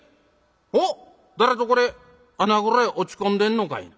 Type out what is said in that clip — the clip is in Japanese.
おっ誰ぞこれ穴蔵へ落ち込んでんのかいな。